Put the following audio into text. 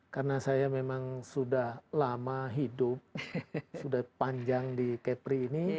karena saya memang sudah lama hidup sudah panjang di kepri ini